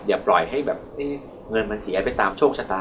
อย่าปล่อยให้แบบเงินมันเสียไปตามโชคชะตา